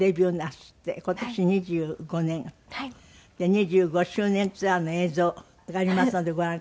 ２５周年ツアーの映像がありますのでご覧ください。